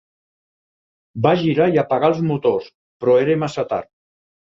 Va girar i apagar els motors, però era massa tard.